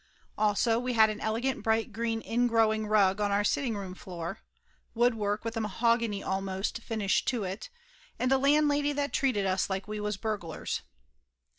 Also we had an elegant bright green ingrow ing rug on our sitting room floor, woodwork with a mahogany almost finish on it, and a landlady that trusted us like we was burglars.